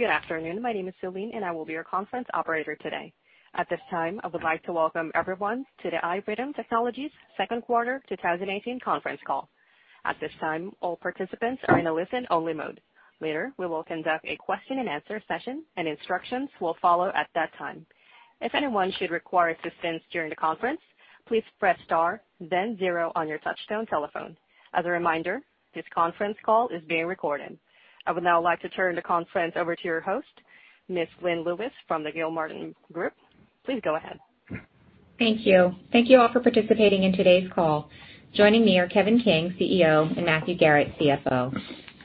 Good afternoon. My name is Celine, and I will be your conference operator today. At this time, I would like to welcome everyone to the iRhythm Technologies second quarter 2018 conference call. At this time, all participants are in a listen-only mode. Later, we will conduct a question and answer session, and instructions will follow at that time. If anyone should require assistance during the conference, please press star then zero on your touch-tone telephone. As a reminder, this conference call is being recorded. I would now like to turn the conference over to your host, Ms. Lynn Lewis from the Gilmartin Group. Please go ahead. Thank you. Thank you all for participating in today's call. Joining me are Kevin King, CEO, and Matthew Garrett, CFO.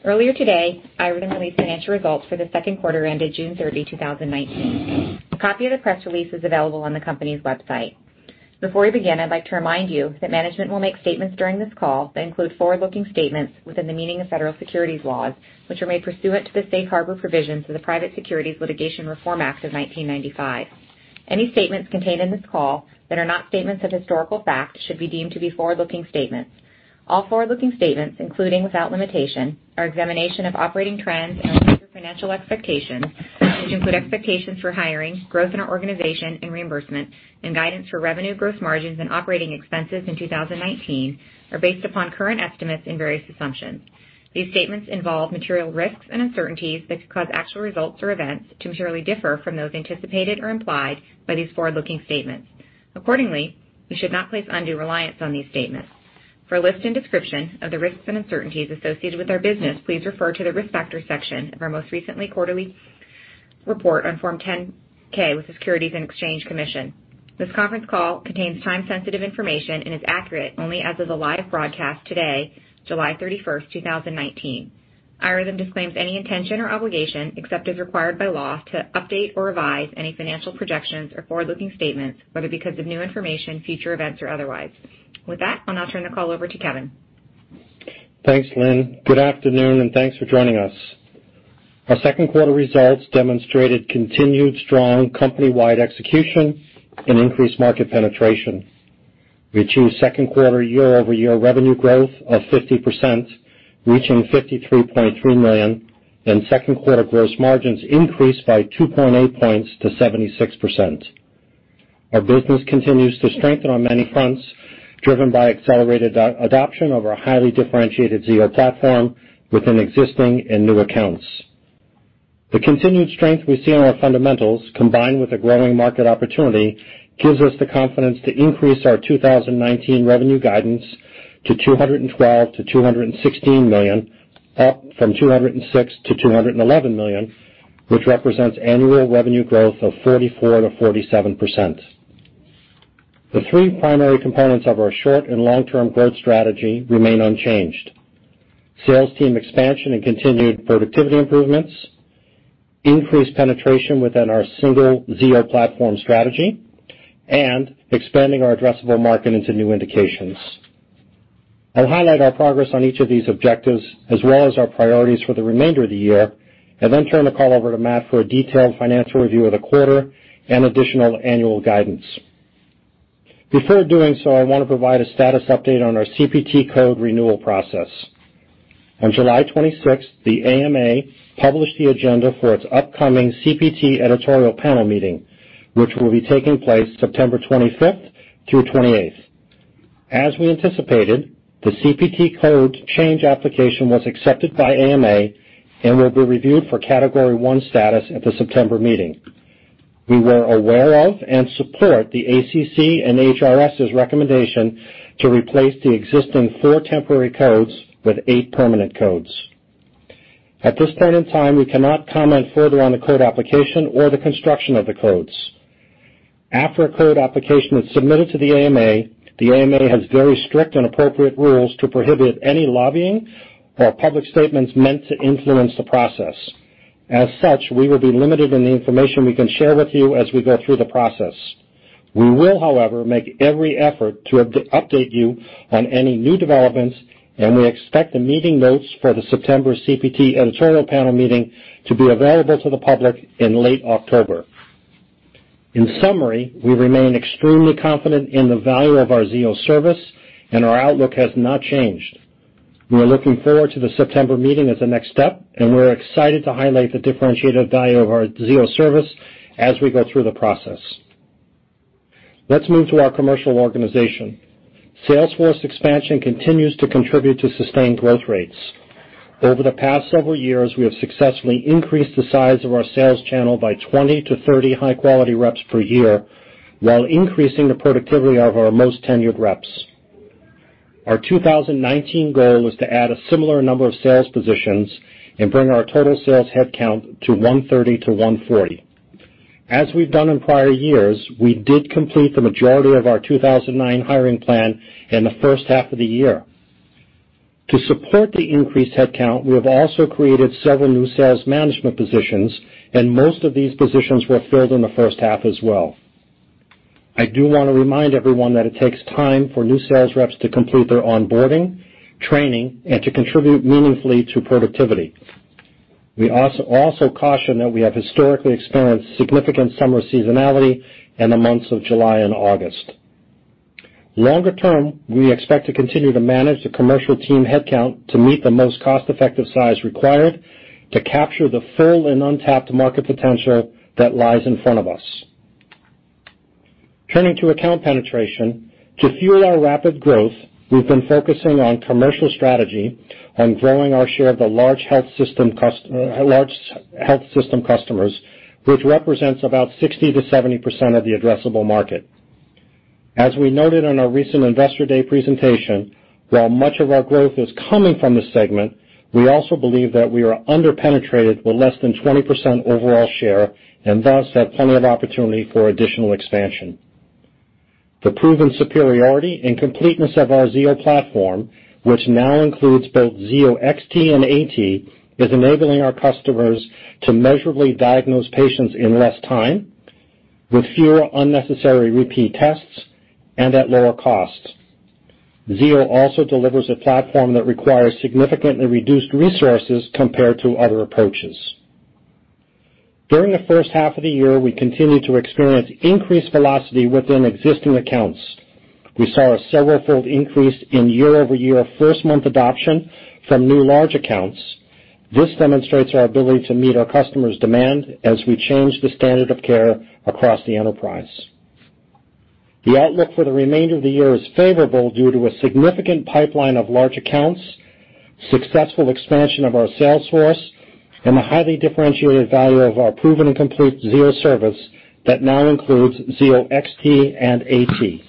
Earlier today, iRhythm released financial results for the second quarter ended June 30, 2019. A copy of the press release is available on the company's website. Before we begin, I'd like to remind you that management will make statements during this call that include forward-looking statements within the meaning of federal securities laws, which are made pursuant to the safe harbor provisions of the Private Securities Litigation Reform Act of 1995. Any statements contained in this call that are not statements of historical fact should be deemed to be forward-looking statements. All forward-looking statements, including without limitation, our examination of operating trends and our future financial expectations, which include expectations for hiring, growth in our organization and reimbursement, and guidance for revenue, gross margins, and operating expenses in 2019 are based upon current estimates and various assumptions. These statements involve material risks and uncertainties that could cause actual results or events to materially differ from those anticipated or implied by these forward-looking statements. Accordingly, you should not place undue reliance on these statements. For a list and description of the risks and uncertainties associated with our business, please refer to the Risk Factors section of our most recently quarterly report on Form 10-Q with the Securities and Exchange Commission. This conference call contains time-sensitive information and is accurate only as of the live broadcast today, July 31st, 2019. iRhythm disclaims any intention or obligation, except as required by law, to update or revise any financial projections or forward-looking statements, whether because of new information, future events, or otherwise. With that, I'll now turn the call over to Kevin. Thanks, Lynn. Good afternoon, and thanks for joining us. Our second quarter results demonstrated continued strong company-wide execution and increased market penetration. We achieved second quarter year-over-year revenue growth of 50%, reaching $53.3 million, and second-quarter gross margins increased by 2.8 points to 76%. Our business continues to strengthen on many fronts, driven by accelerated adoption of our highly differentiated Zio platform within existing and new accounts. The continued strength we see in our fundamentals, combined with a growing market opportunity, gives us the confidence to increase our 2019 revenue guidance to $212 million-$216 million, up from $206 million-$211 million, which represents annual revenue growth of 44%-47%. The three primary components of our short- and long-term growth strategy remain unchanged. Sales team expansion and continued productivity improvements, increased penetration within our single Zio platform strategy, and expanding our addressable market into new indications. I'll highlight our progress on each of these objectives, as well as our priorities for the remainder of the year, and then turn the call over to Matt for a detailed financial review of the quarter and additional annual guidance. Before doing so, I want to provide a status update on our CPT code renewal process. On July 26th, the AMA published the agenda for its upcoming CPT editorial panel meeting, which will be taking place September 25th through 28th. As we anticipated, the CPT code change application was accepted by AMA and will be reviewed for Category I status at the September meeting. We were aware of and support the ACC and HRS's recommendation to replace the existing four temporary codes with eight permanent codes. At this point in time, we cannot comment further on the code application or the construction of the codes. After a code application is submitted to the AMA, the AMA has very strict and appropriate rules to prohibit any lobbying or public statements meant to influence the process. As such, we will be limited in the information we can share with you as we go through the process. We will, however, make every effort to update you on any new developments, and we expect the meeting notes for the September CPT editorial panel meeting to be available to the public in late October. In summary, we remain extremely confident in the value of our Zio Service and our outlook has not changed. We are looking forward to the September meeting as the next step, and we're excited to highlight the differentiated value of our Zio Service as we go through the process. Let's move to our commercial organization. Sales force expansion continues to contribute to sustained growth rates. Over the past several years, we have successfully increased the size of our sales channel by 20-30 high-quality reps per year while increasing the productivity of our most tenured reps. Our 2019 goal was to add a similar number of sales positions and bring our total sales headcount to 130-140. As we've done in prior years, we did complete the majority of our 2019 hiring plan in the first half of the year. To support the increased headcount, we have also created several new sales management positions, and most of these positions were filled in the first half as well. I do want to remind everyone that it takes time for new sales reps to complete their onboarding, training, and to contribute meaningfully to productivity. We also caution that we have historically experienced significant summer seasonality in the months of July and August. Longer term, we expect to continue to manage the commercial team headcount to meet the most cost-effective size required to capture the full and untapped market potential that lies in front of us. Turning to account penetration. To fuel our rapid growth, we've been focusing on commercial strategy on growing our share of the large health system customers, which represents about 60%-70% of the addressable market. As we noted in our recent Investor Day presentation, while much of our growth is coming from this segment, we also believe that we are under-penetrated with less than 20% overall share, and thus have plenty of opportunity for additional expansion. The proven superiority and completeness of our Zio platform, which now includes both Zio XT and AT, is enabling our customers to measurably diagnose patients in less time with fewer unnecessary repeat tests and at lower costs. Zio also delivers a platform that requires significantly reduced resources compared to other approaches. During the first half of the year, we continued to experience increased velocity within existing accounts. We saw a several-fold increase in year-over-year first-month adoption from new large accounts. This demonstrates our ability to meet our customers' demand as we change the standard of care across the enterprise. The outlook for the remainder of the year is favorable due to a significant pipeline of large accounts, successful expansion of our sales force, and the highly differentiated value of our proven and complete Zio service that now includes Zio XT and AT.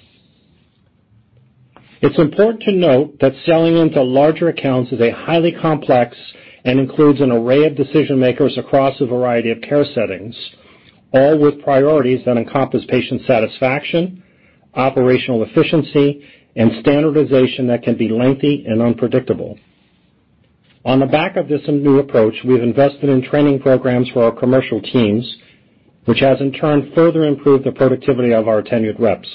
It's important to note that selling into larger accounts is highly complex and includes an array of decision-makers across a variety of care settings, all with priorities that encompass patient satisfaction, operational efficiency, and standardization that can be lengthy and unpredictable. On the back of this new approach, we've invested in training programs for our commercial teams, which has in turn further improved the productivity of our tenured reps.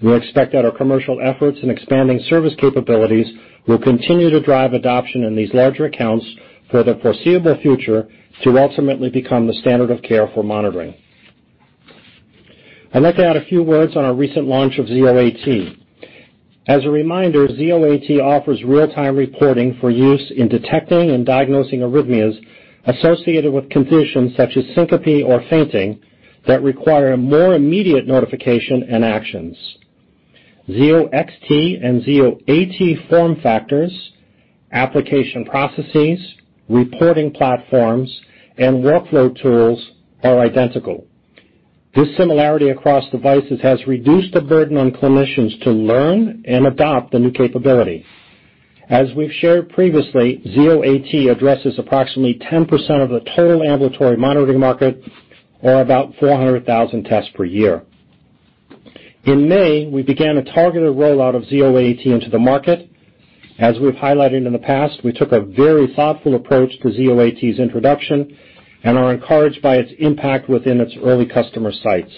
We expect that our commercial efforts in expanding service capabilities will continue to drive adoption in these larger accounts for the foreseeable future to ultimately become the standard of care for monitoring. I'd like to add a few words on our recent launch of Zio AT. As a reminder, Zio AT offers real-time reporting for use in detecting and diagnosing arrhythmias associated with conditions such as syncope or fainting that require more immediate notification and actions. Zio XT and Zio AT form factors, application processes, reporting platforms, and workflow tools are identical. This similarity across devices has reduced the burden on clinicians to learn and adopt the new capability. As we've shared previously, Zio AT addresses approximately 10% of the total ambulatory monitoring market or about 400,000 tests per year. In May, we began a targeted rollout of Zio AT into the market. As we've highlighted in the past, we took a very thoughtful approach to Zio AT's introduction and are encouraged by its impact within its early customer sites.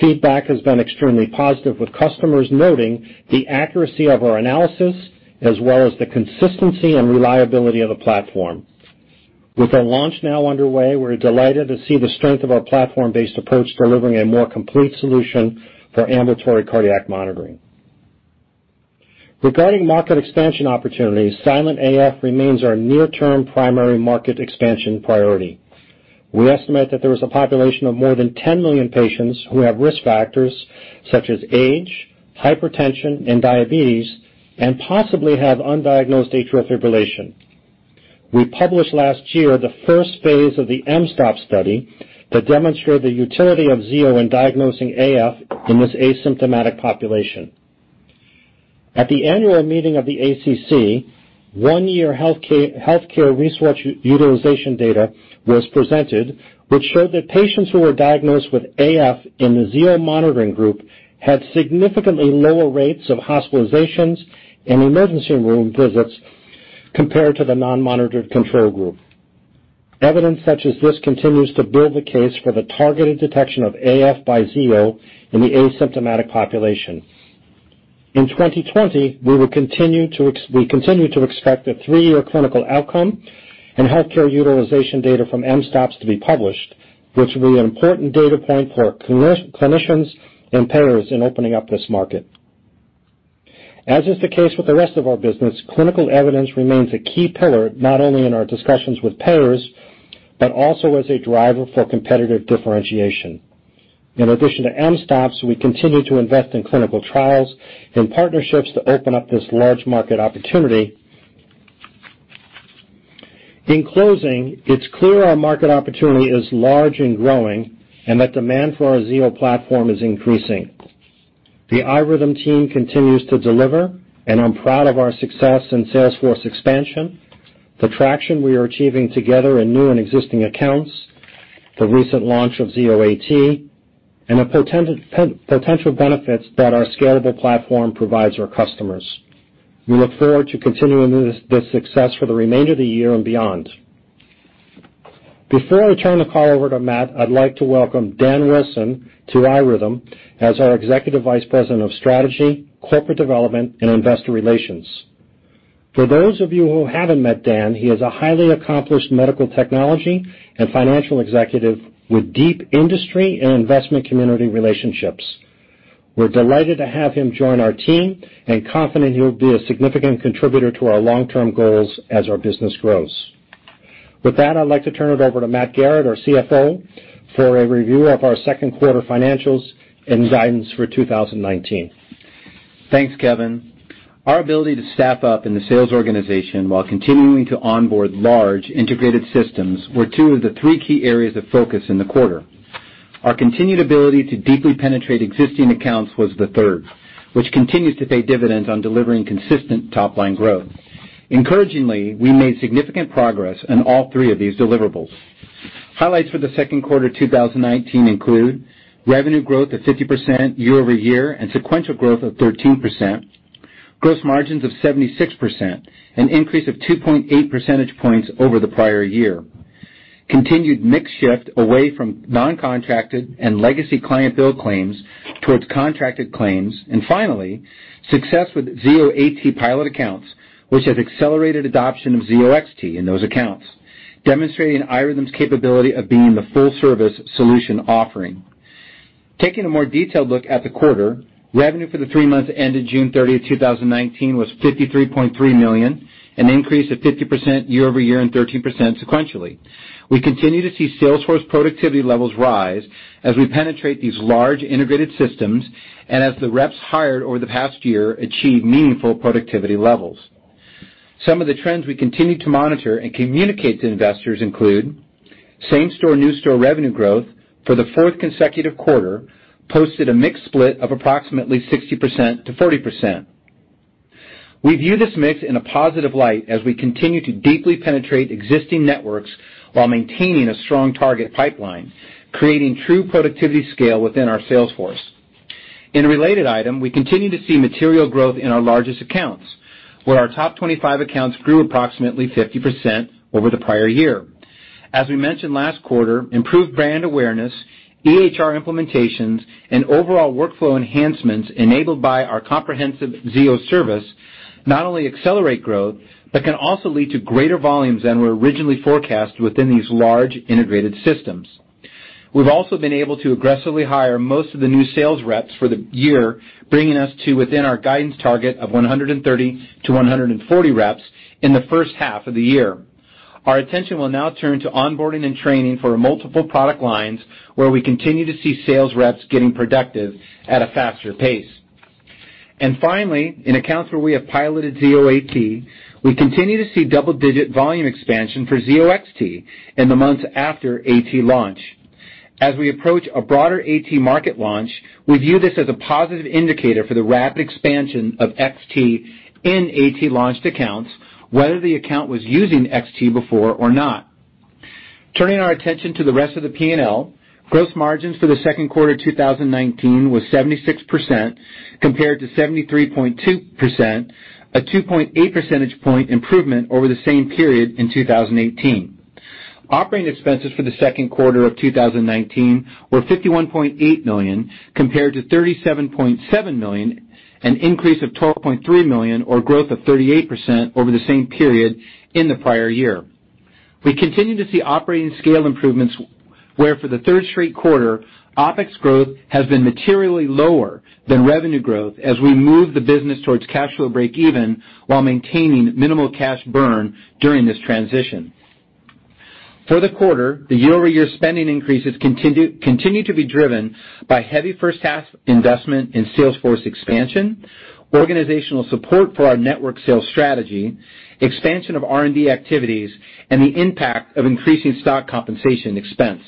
Feedback has been extremely positive, with customers noting the accuracy of our analysis as well as the consistency and reliability of the platform. With the launch now underway, we're delighted to see the strength of our platform-based approach delivering a more complete solution for ambulatory cardiac monitoring. Regarding market expansion opportunities, silent AF remains our near-term primary market expansion priority. We estimate that there is a population of more than 10 million patients who have risk factors such as age, hypertension, and diabetes and possibly have undiagnosed atrial fibrillation. We published last year the first phase of the mSToPS study that demonstrated the utility of Zio in diagnosing AF in this asymptomatic population. At the annual meeting of the ACC, one-year healthcare resource utilization data was presented, which showed that patients who were diagnosed with AF in the Zio monitoring group had significantly lower rates of hospitalizations and emergency room visits compared to the non-monitored control group. Evidence such as this continues to build the case for the targeted detection of AF by Zio in the asymptomatic population. In 2020, we continue to expect a three-year clinical outcome and healthcare utilization data from mSToPS to be published, which will be an important data point for clinicians and payers in opening up this market. As is the case with the rest of our business, clinical evidence remains a key pillar, not only in our discussions with payers, but also as a driver for competitive differentiation. In addition to mSToPS, we continue to invest in clinical trials and partnerships to open up this large market opportunity. In closing, it's clear our market opportunity is large and growing and that demand for our Zio platform is increasing. The iRhythm team continues to deliver, and I'm proud of our success in sales force expansion, the traction we are achieving together in new and existing accounts, the recent launch of Zio AT, and the potential benefits that our scalable platform provides our customers. We look forward to continuing this success for the remainder of the year and beyond. Before I turn the call over to Matt, I'd like to welcome Dan Wilson to iRhythm as our Executive Vice President of Strategy, Corporate Development, and Investor Relations. For those of you who haven't met Dan, he is a highly accomplished medical technology and financial executive with deep industry and investment community relationships. We're delighted to have him join our team and confident he'll be a significant contributor to our long-term goals as our business grows. With that, I'd like to turn it over to Matt Garrett, our CFO, for a review of our second quarter financials and guidance for 2019. Thanks, Kevin. Our ability to staff up in the sales organization while continuing to onboard large integrated systems were two of the three key areas of focus in the quarter. Our continued ability to deeply penetrate existing accounts was the third, which continues to pay dividends on delivering consistent top-line growth. Encouragingly, we made significant progress on all three of these deliverables. Highlights for the second quarter 2019 include revenue growth of 50% year-over-year and sequential growth of 13%, gross margins of 76%, an increase of 2.8 percentage points over the prior year, continued mix shift away from non-contracted and legacy client bill claims towards contracted claims, and finally, success with Zio AT pilot accounts, which has accelerated adoption of Zio XT in those accounts, demonstrating iRhythm's capability of being the full-service solution offering. Taking a more detailed look at the quarter, revenue for the three months ended June 30, 2019, was $53.3 million, an increase of 50% year-over-year and 13% sequentially. We continue to see sales force productivity levels rise as we penetrate these large integrated systems and as the reps hired over the past year achieve meaningful productivity levels. Some of the trends we continue to monitor and communicate to investors include same store, new store revenue growth for the fourth consecutive quarter posted a mix split of approximately 60% to 40%. We view this mix in a positive light as we continue to deeply penetrate existing networks while maintaining a strong target pipeline, creating true productivity scale within our sales force. In a related item, we continue to see material growth in our largest accounts, where our top 25 accounts grew approximately 50% over the prior year. As we mentioned last quarter, improved brand awareness, EHR implementations, and overall workflow enhancements enabled by our comprehensive Zio service not only accelerate growth, but can also lead to greater volumes than were originally forecast within these large integrated systems. We've also been able to aggressively hire most of the new sales reps for the year, bringing us to within our guidance target of 130 to 140 reps in the first half of the year. Our attention will now turn to onboarding and training for multiple product lines, where we continue to see sales reps getting productive at a faster pace. Finally, in accounts where we have piloted Zio AT, we continue to see double-digit volume expansion for Zio XT in the months after AT launch. As we approach a broader AT market launch, we view this as a positive indicator for the rapid expansion of XT in AT-launched accounts, whether the account was using XT before or not. Turning our attention to the rest of the P&L, gross margins for the second quarter 2019 was 76% compared to 73.2%, a 2.8 percentage point improvement over the same period in 2018. Operating expenses for the second quarter of 2019 were $51.8 million, compared to $37.7 million, an increase of $12.3 million or growth of 38% over the same period in the prior year. We continue to see operating scale improvements, where for the third straight quarter, OpEx growth has been materially lower than revenue growth as we move the business towards cash flow breakeven while maintaining minimal cash burn during this transition. For the quarter, the year-over-year spending increases continue to be driven by heavy first-half investment in sales force expansion, organizational support for our network sales strategy, expansion of R&D activities, and the impact of increasing stock compensation expense.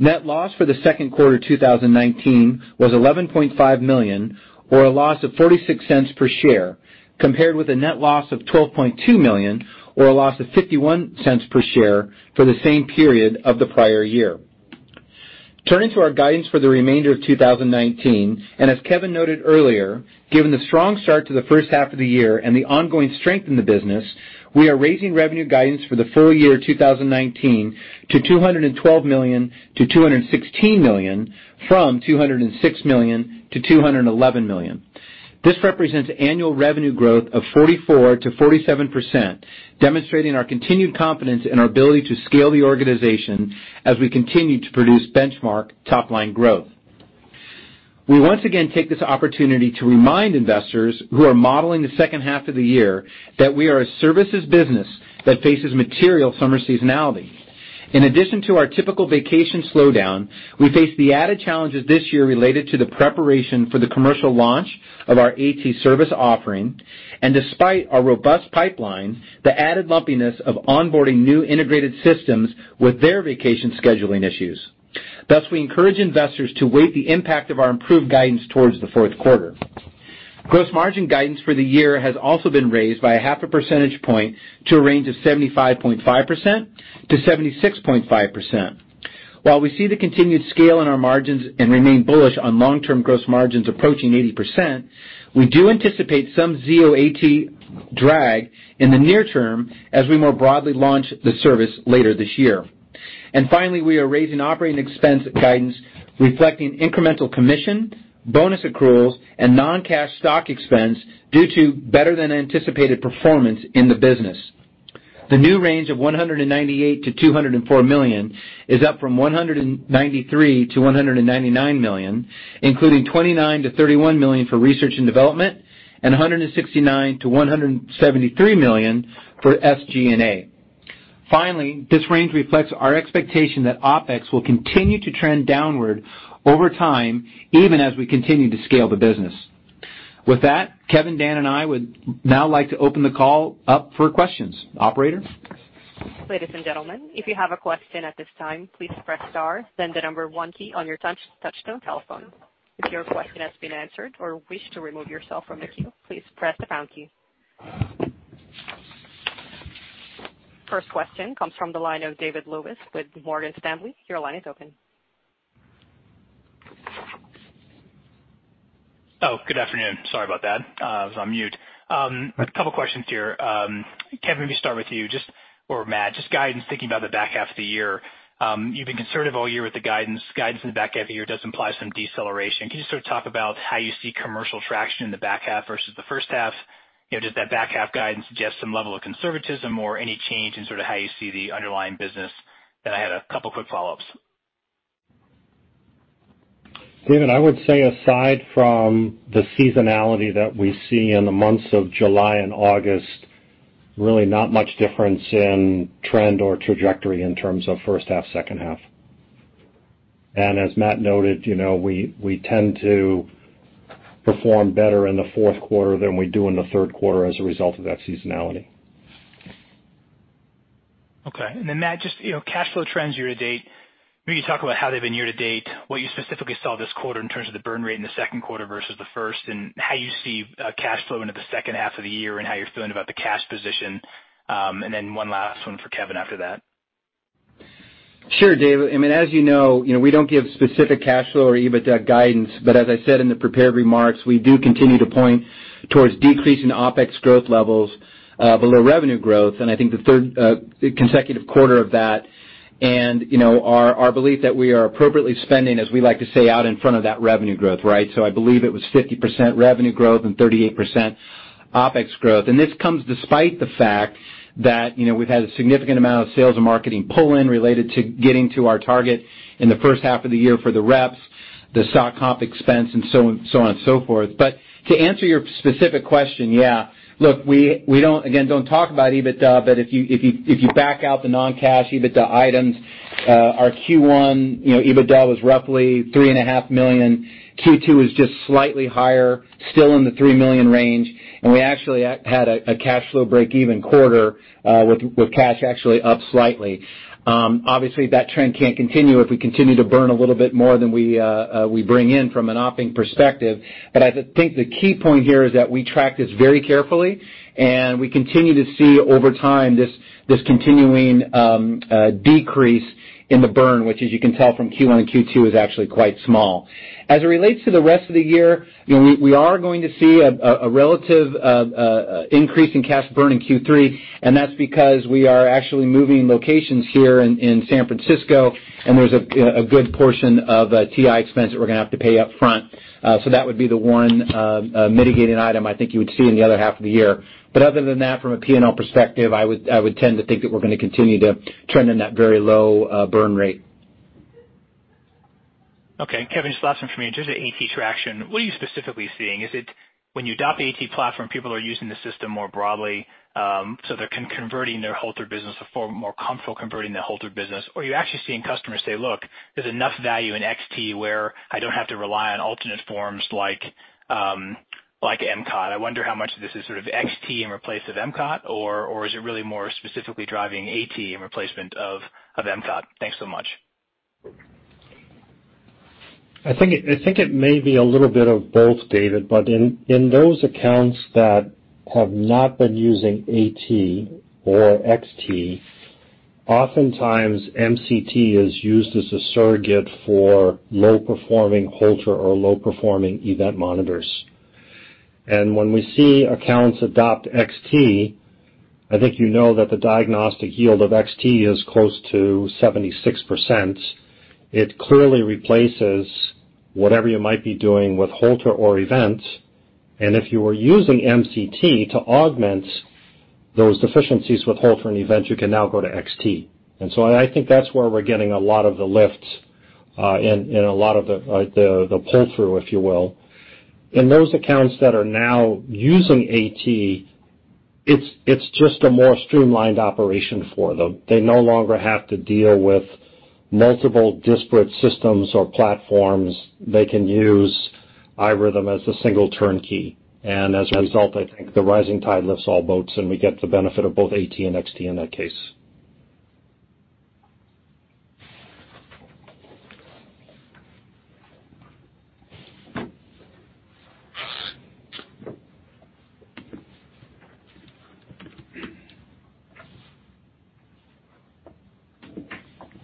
Net loss for the second quarter 2019 was $11.5 million, or a loss of $0.46 per share, compared with a net loss of $12.2 million, or a loss of $0.51 per share for the same period of the prior year. Turning to our guidance for the remainder of 2019, as Kevin noted earlier, given the strong start to the first half of the year and the ongoing strength in the business, we are raising revenue guidance for the full year 2019 to $212 million-$216 million from $206 million-$211 million. This represents annual revenue growth of 44%-47%, demonstrating our continued confidence in our ability to scale the organization as we continue to produce benchmark top-line growth. We once again take this opportunity to remind investors who are modeling the second half of the year that we are a services business that faces material summer seasonality. In addition to our typical vacation slowdown, we face the added challenges this year related to the preparation for the commercial launch of our AT service offering, and despite our robust pipeline, the added lumpiness of onboarding new integrated systems with their vacation scheduling issues. Thus, we encourage investors to weight the impact of our improved guidance towards the fourth quarter. Gross margin guidance for the year has also been raised by a half a percentage point to a range of 75.5%-76.5%. While we see the continued scale in our margins and remain bullish on long-term gross margins approaching 80%, we do anticipate some Zio AT drag in the near term as we more broadly launch the service later this year. Finally, we are raising operating expense guidance reflecting incremental commission, bonus accruals, and non-cash stock expense due to better than anticipated performance in the business. The new range of $198 million-$204 million is up from $193 million-$199 million, including $29 million-$31 million for research and development, and $169 million-$173 million for SG&A. Finally, this range reflects our expectation that OpEx will continue to trend downward over time, even as we continue to scale the business. With that, Kevin, Dan, and I would now like to open the call up for questions. Operator? Ladies and gentlemen, if you have a question at this time, please press star then the number one key on your touch-tone telephone. If your question has been answered or wish to remove yourself from the queue, please press the pound key. First question comes from the line of David Lewis with Morgan Stanley. Your line is open. Good afternoon. Sorry about that. I was on mute. A couple questions here. Kevin, let me start with you, or Matt, just guidance thinking about the back half of the year. You've been conservative all year with the guidance. Guidance in the back half of the year does imply some deceleration. Can you talk about how you see commercial traction in the back half versus the first half? Does that back half guidance suggest some level of conservatism or any change in how you see the underlying business? I had a couple of quick follow-ups. David, I would say aside from the seasonality that we see in the months of July and August, really not much difference in trend or trajectory in terms of first half, second half. As Matt noted, we tend to perform better in the fourth quarter than we do in the third quarter as a result of that seasonality. Okay. Matt, just cash flow trends year to date. Maybe talk about how they've been year to date, what you specifically saw this quarter in terms of the burn rate in the second quarter versus the first, and how you see cash flow into the second half of the year and how you're feeling about the cash position. One last one for Kevin after that. Sure, David. As you know, we don't give specific cash flow or EBITDA guidance, but as I said in the prepared remarks, we do continue to point towards decreasing OpEx growth levels below revenue growth, and I think the third consecutive quarter of that. Our belief that we are appropriately spending, as we like to say, out in front of that revenue growth. I believe it was 50% revenue growth and 38% OpEx growth. This comes despite the fact that we've had a significant amount of sales and marketing pull-in related to getting to our target in the first half of the year for the reps, the stock comp expense, and so on and so forth. To answer your specific question, yeah. Look, we, again, don't talk about EBITDA, but if you back out the non-cash EBITDA items, our Q1 EBITDA was roughly three and a half million. Q2 was just slightly higher, still in the $3 million range, and we actually had a cash flow breakeven quarter with cash actually up slightly. Obviously, that trend can't continue if we continue to burn a little bit more than we bring in from an operating perspective. I think the key point here is that we track this very carefully, and we continue to see over time, this continuing decrease in the burn, which as you can tell from Q1 and Q2, is actually quite small. As it relates to the rest of the year, we are going to see a relative increase in cash burn in Q3, and that's because we are actually moving locations here in San Francisco, and there's a good portion of TI expense that we're going to have to pay up front. Other than that, from a P&L perspective, I would tend to think that we're going to continue to trend in that very low burn rate. Okay. Kevin, just last one from me. In terms of AT traction, what are you specifically seeing? Is it when you adopt the AT platform, people are using the system more broadly, so they're converting their Holter business or feel more comfortable converting their Holter business? Are you actually seeing customers say, "Look, there's enough value in XT where I don't have to rely on alternate forms like MCOT?" I wonder how much this is sort of XT in replace of MCOT, or is it really more specifically driving AT in replacement of MCOT? Thanks so much. I think it may be a little bit of both, David. In those accounts that have not been using AT or XT, oftentimes MCT is used as a surrogate for low-performing Holter or low-performing event monitors. When we see accounts adopt XT, I think you know that the diagnostic yield of XT is close to 76%. It clearly replaces whatever you might be doing with Holter or event, and if you are using MCT to augment those deficiencies with Holter and event, you can now go to XT. I think that's where we're getting a lot of the lift and a lot of the pull-through, if you will. In those accounts that are now using AT, it's just a more streamlined operation for them. They no longer have to deal with multiple disparate systems or platforms. They can use iRhythm as a single turnkey. As a result, I think the rising tide lifts all boats, and we get the benefit of both AT and XT in that case.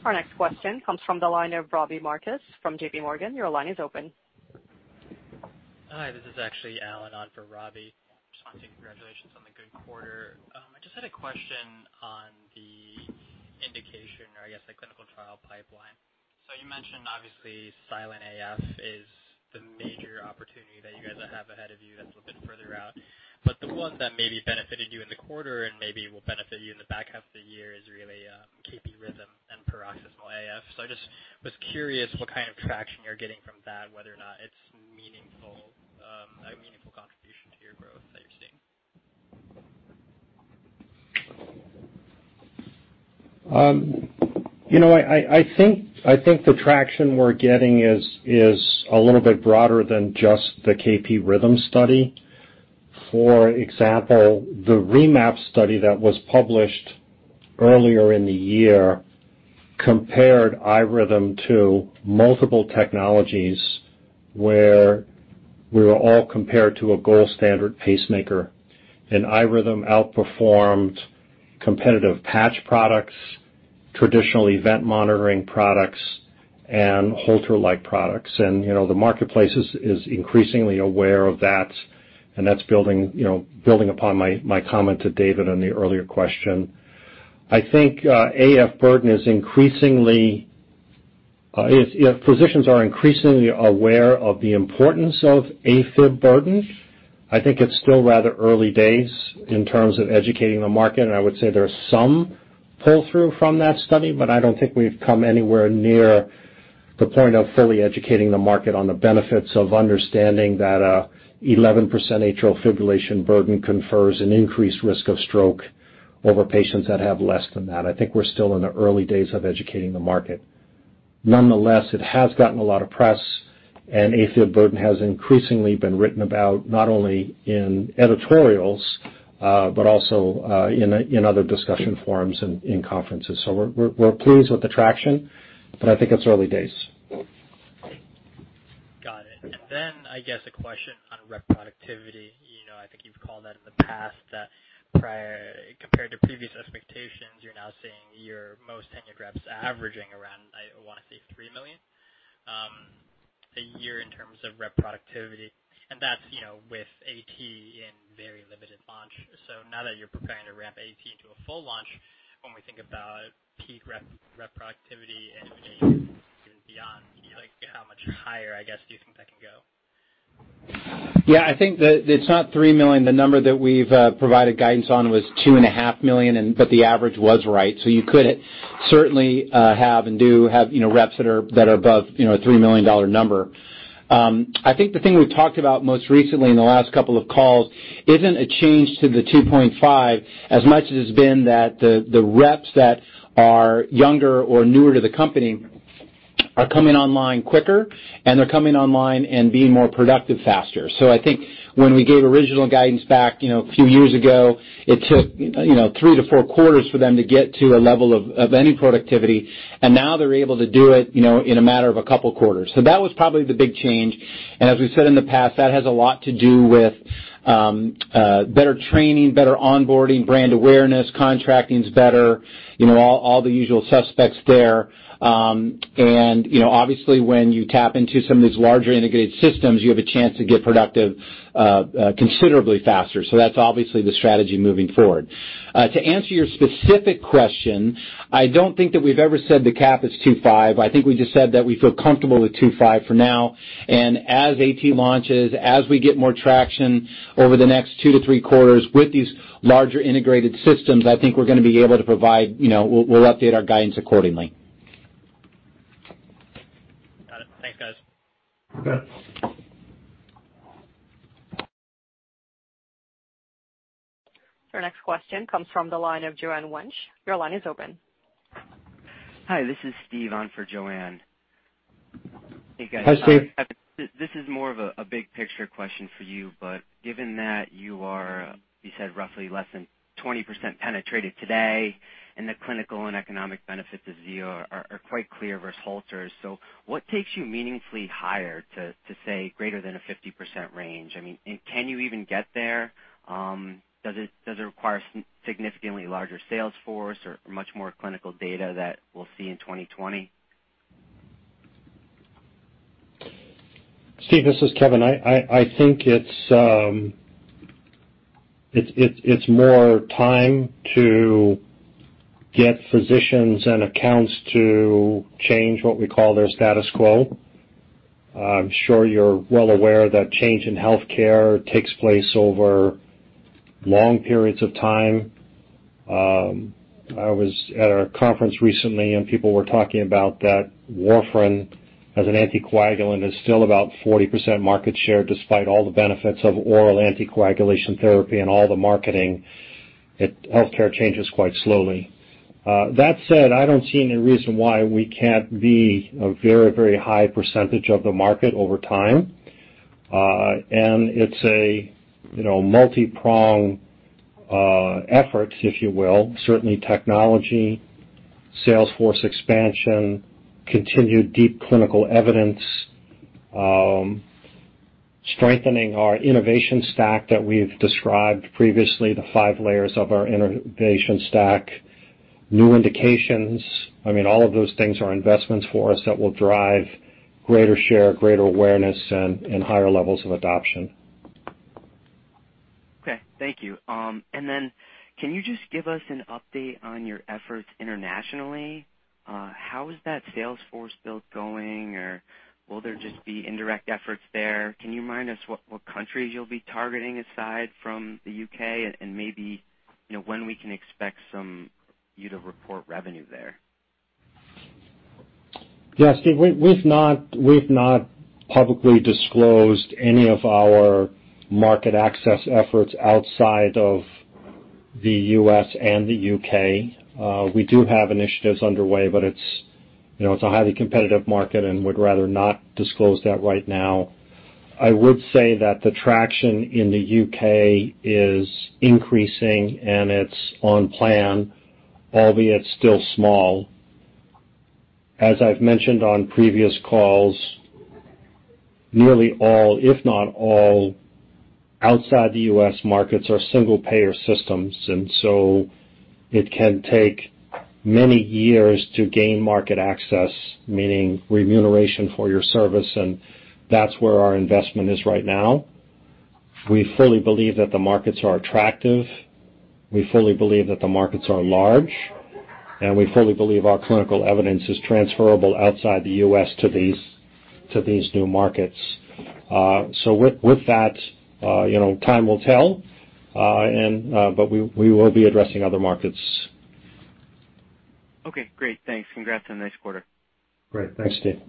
Our next question comes from the line of Robbie Marcus from J.P. Morgan. Your line is open. Hi, this is actually Alan on for Robbie. Just want to say congratulations on the good quarter. I just had a question on the indication or I guess the clinical trial pipeline. You mentioned obviously silent AF is the major opportunity that you guys have ahead of you that's a little bit further out, but the one that maybe benefited you in the quarter and maybe will benefit you in the back half of the year is really KP-RHYTHM and paroxysmal AF. I just was curious what kind of traction you're getting from that, whether or not it's a meaningful contribution to your growth that you're seeing. I think the traction we're getting is a little bit broader than just the KP-RHYTHM study. For example, the REMAP study that was published earlier in the year compared iRhythm to multiple technologies where we were all compared to a gold standard pacemaker, and iRhythm outperformed competitive patch products, traditional event monitoring products, and Holter-like products. The marketplace is increasingly aware of that, and that's building upon my comment to David on the earlier question. I think AF burden is Physicians are increasingly aware of the importance of AFib burden. I think it's still rather early days in terms of educating the market, and I would say there's some pull-through from that study, but I don't think we've come anywhere near the point of fully educating the market on the benefits of understanding that 11% atrial fibrillation burden confers an increased risk of stroke over patients that have less than that. I think we're still in the early days of educating the market. Nonetheless, it has gotten a lot of press, and AFib burden has increasingly been written about, not only in editorials, but also in other discussion forums and in conferences. We're pleased with the traction, but I think it's early days. Got it. I guess a question on rep productivity. I think you've called that in the past that compared to previous expectations, you're now seeing your most tenured reps averaging around, I want to say, $3 million a year in terms of rep productivity. That's with AT in very limited launch. Now that you're preparing to ramp AT into a full launch, when we think about peak rep productivity and beyond, how much higher, I guess, do you think that can go? I think that it's not $3 million. The number that we've provided guidance on was $2.5 million, but the average was right. You could certainly have and do have reps that are above a $3 million number. I think the thing we've talked about most recently in the last couple of calls isn't a change to the $2.5 as much as it has been that the reps that are younger or newer to the company are coming online quicker, and they're coming online and being more productive faster. I think when we gave original guidance back a few years ago, it took 3-4 quarters for them to get to a level of any productivity, and now they're able to do it in a matter of a couple of quarters. That was probably the big change. As we've said in the past, that has a lot to do with better training, better onboarding, brand awareness, contracting's better, all the usual suspects there. Obviously, when you tap into some of these larger integrated systems, you have a chance to get productive considerably faster. That's obviously the strategy moving forward. To answer your specific question, I don't think that we've ever said the cap is 2.5. I think we just said that we feel comfortable with 2.5 for now. As Zio AT launches, as we get more traction over the next 2 to 3 quarters with these larger integrated systems, we'll update our guidance accordingly. Got it. Thanks, guys. You bet. Our next question comes from the line of Joanne Wuensch. Your line is open. Hi, this is Steve on for Joanne. Hi, Steve. This is more of a big picture question for you, but given that you said roughly less than 20% penetrated today and the clinical and economic benefits of Zio are quite clear versus Holters. What takes you meaningfully higher to say greater than a 50% range? I mean, can you even get there? Does it require significantly larger sales force or much more clinical data that we'll see in 2020? Steve, this is Kevin. I think it's more time to get physicians and accounts to change what we call their status quo. I'm sure you're well aware that change in healthcare takes place over long periods of time. I was at a conference recently and people were talking about that warfarin as an anticoagulant is still about 40% market share despite all the benefits of oral anticoagulation therapy and all the marketing. Healthcare changes quite slowly. That said, I don't see any reason why we can't be a very high percentage of the market over time. It's a multi-pronged effort, if you will. Certainly technology, sales force expansion, continued deep clinical evidence, strengthening our innovation stack that we've described previously, the five layers of our innovation stack, new indications. I mean, all of those things are investments for us that will drive greater share, greater awareness, and higher levels of adoption. Okay, thank you. Can you just give us an update on your efforts internationally? How is that sales force build going? Will there just be indirect efforts there? Can you remind us what countries you'll be targeting aside from the U.K. and maybe when we can expect you to report revenue there? Steve, we've not publicly disclosed any of our market access efforts outside of the U.S. and the U.K. We do have initiatives underway, but it's a highly competitive market and would rather not disclose that right now. I would say that the traction in the U.K. is increasing and it's on plan, albeit still small. As I've mentioned on previous calls, nearly all, if not all, outside the U.S. markets are single-payer systems, and so it can take many years to gain market access, meaning remuneration for your service, and that's where our investment is right now. We fully believe that the markets are attractive, we fully believe that the markets are large, and we fully believe our clinical evidence is transferable outside the U.S. to these new markets. With that, time will tell, but we will be addressing other markets. Okay, great. Thanks. Congrats on a nice quarter. Great. Thanks, Steve.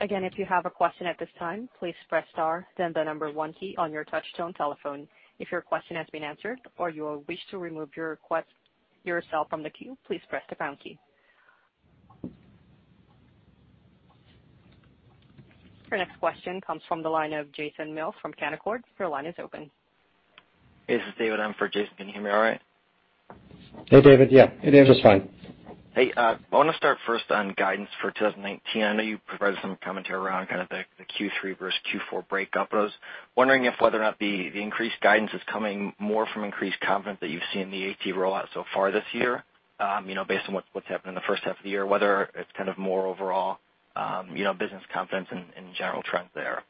Again, if you have a question at this time, please press star then the number one key on your touch tone telephone. If your question has been answered or you wish to remove yourself from the queue, please press the pound key. Your next question comes from the line of Jason Mills from Canaccord. Your line is open. This is David in for Jason. Can you hear me all right? Hey, David. Yeah. Hey, David. Just fine. Hey. I want to start first on guidance for 2019. I know you provided some commentary around kind of the Q3 versus Q4 breakup, but I was wondering if whether or not the increased guidance is coming more from increased confidence that you've seen the AT rollout so far this year, based on what's happened in the first half of the year, whether it's kind of more overall business confidence and general trends there.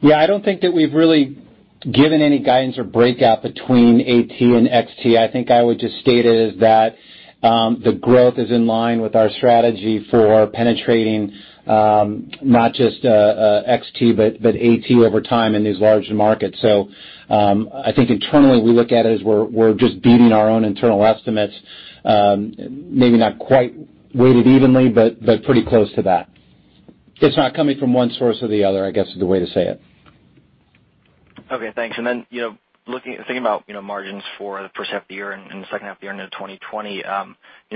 Yeah, I don't think that we've really given any guidance or breakout between AT and XT. I think I would just state it as that the growth is in line with our strategy for penetrating, not just XT, but AT over time in these large markets. I think internally we look at it as we're just beating our own internal estimates. Maybe not quite weighted evenly, but pretty close to that. It's not coming from one source or the other, I guess, is the way to say it. Okay, thanks. Thinking about margins for the first half of the year and the second half of the year into 2020,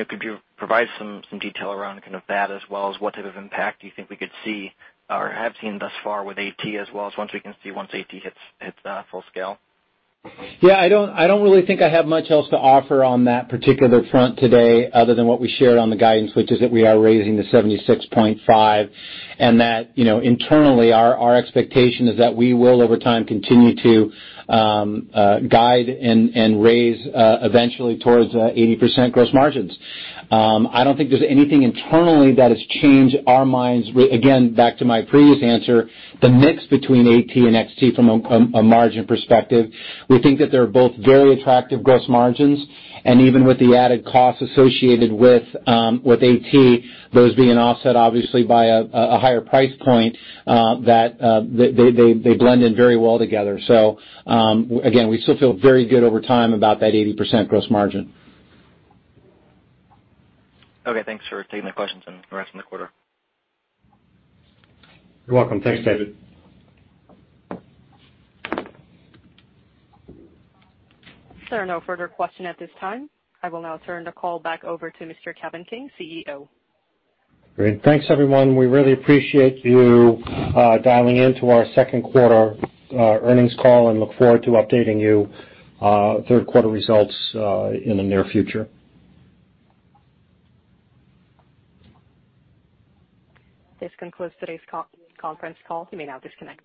could you provide some detail around kind of that as well as what type of impact do you think we could see or have seen thus far with AT, as well as what we can see once AT hits full scale? Yeah, I don't really think I have much else to offer on that particular front today other than what we shared on the guidance, which is that we are raising to 76.5, and that internally, our expectation is that we will, over time, continue to guide and raise eventually towards 80% gross margins. I don't think there's anything internally that has changed our minds. Again, back to my previous answer, the mix between AT and XT from a margin perspective, we think that they're both very attractive gross margins, and even with the added cost associated with AT, those being offset obviously by a higher price point, they blend in very well together. Again, we still feel very good over time about that 80% gross margin. Okay, thanks for taking the questions and congrats on the quarter. You're welcome. Thanks, David. There are no further questions at this time. I will now turn the call back over to Mr. Kevin King, CEO. Great. Thanks, everyone. We really appreciate you dialing in to our second quarter earnings call and look forward to updating you third quarter results in the near future. This concludes today's conference call. You may now disconnect.